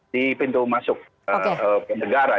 di pintu masuk negara